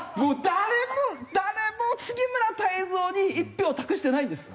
誰も誰も杉村太蔵に１票を託してないんです。